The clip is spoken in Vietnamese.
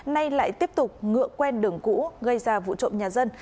nay lại tiếp tục ngựa quen đường cũ gây ra vụ trộm nhà dân